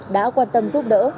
đã quan tâm giúp đỡ